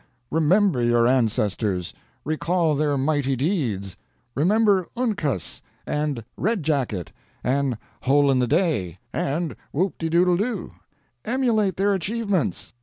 Remember your ancestors! Recall their mighty deeds! Remember Uncas! and Red jacket! and Hole in the Day! and Whoopdedoodledo! Emulate their achievements!